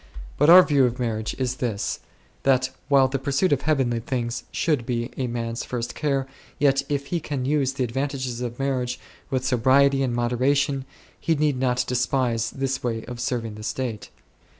But our view of marriage is this ; that, while the pursuit of heavenly things should be a man's first care, yet if he can use the advan tages of marriage with sobriety and moderation, he need not despise this way of serving the state.